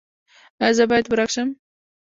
ایا زه باید ورک شم؟